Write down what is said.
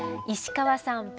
石川さん